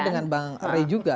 dengan bang ray juga